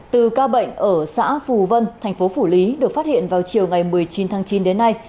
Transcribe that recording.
từ ca bệnh ở xã phù vân thành phố phủ lý được phát hiện vào chiều ngày một mươi chín tháng chín đến nay